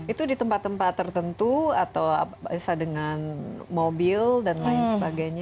itu di tempat tempat tertentu atau bisa dengan mobil dan lain sebagainya